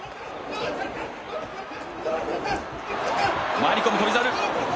回り込む翔猿。